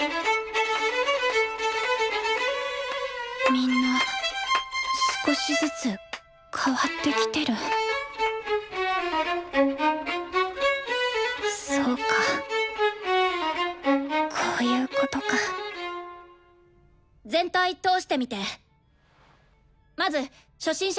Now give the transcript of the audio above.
みんな少しずつ変わってきてるそうかこういうことか全体通してみてまず初心者組の３人。